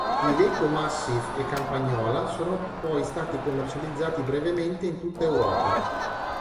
Gli Iveco Massif e Campagnola sono poi stati commercializzati brevemente in tutta Europa.